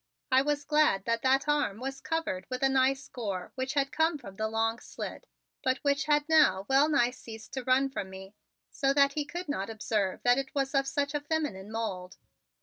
I was glad that that arm was covered with a nice gore which had come from the long slit but which had now well nigh ceased to run from me, so that he could not observe that it was of such a feminine mould.